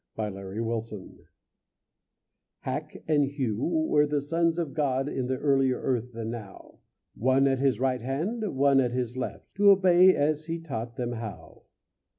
Hack and Hew Hack and Hew were the sons of God In the earlier earth than now; One at his right hand, one at his left, To obey as he taught them how.